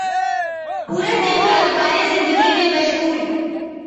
پورا دن کاروبار زندگی میں مشغول